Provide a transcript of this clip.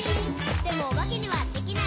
「でもおばけにはできない。」